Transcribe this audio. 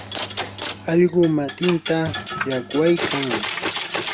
allqu matinta llaqwaykan.